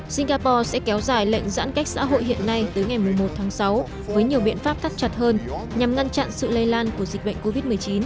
singapore sẽ kéo dài lệnh giãn cách xã hội hiện nay tới ngày một mươi một tháng sáu với nhiều biện pháp cắt chặt hơn nhằm ngăn chặn sự lây lan của dịch bệnh covid một mươi chín